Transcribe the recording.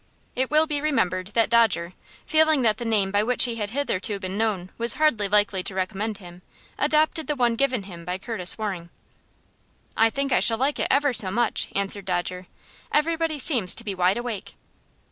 It will be remembered that Dodger, feeling that the name by which he had hitherto been known was hardly likely to recommend him, adopted the one given him by Curtis Waring. "I think I shall like it ever so much," answered Dodger. "Everybody seems to be wideawake."